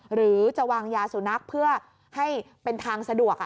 หรือจะวางยาสุนัขเพื่อให้เป็นทางสะดวก